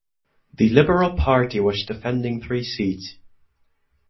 The Liberal Party was defending three seats.